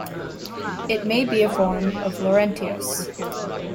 It may be a form of "Laurentius".